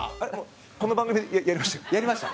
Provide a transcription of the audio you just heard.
この番組でやりましたよ。